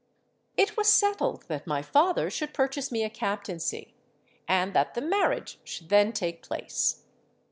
"It was settled that my father should purchase me a captaincy, and that the marriage should then take place.